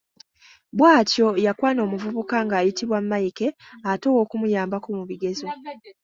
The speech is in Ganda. Bw’atyo yakwana omuvubuka ng’ayitibwa Mike ate ow’okumuyambako mu bigezo.